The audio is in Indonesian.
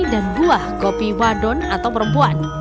dan buah kopi wadon atau perempuan